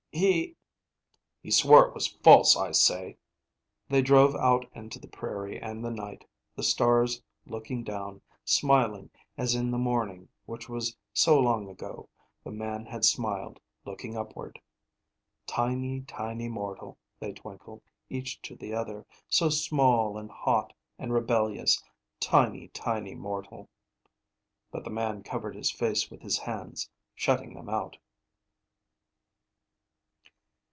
"He " "He swore it was false, I say." They drove out into the prairie and the night; the stars looking down, smiling, as in the morning which was so long ago, the man had smiled, looking upward. "Tiny, tiny mortal," they twinkled, each to the other. "So small and hot, and rebellious. Tiny, tiny, mortal!" But the man covered his face with his hands, shutting them out.